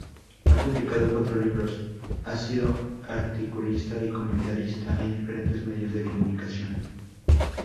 Ha publicado cuatro libros, ha sido articulista y comentarista en diferentes medios de comunicación.